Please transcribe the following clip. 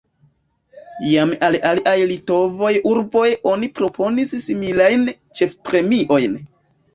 Jam al aliaj litovaj urboj oni proponis similajn ĉefpremiojn.